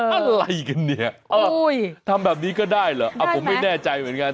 อะไรกันเนี่ยทำแบบนี้ก็ได้เหรอผมไม่แน่ใจเหมือนกัน